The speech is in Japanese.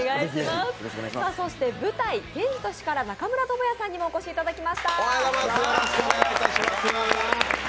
舞台「ケンジトシ」から中村倫也さんにお越しいただきました。